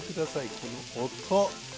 この音。